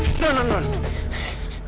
tidak tidak tidak